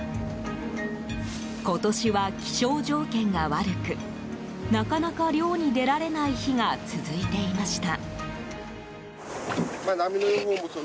今年は気象条件が悪くなかなか漁に出られない日が続いていました。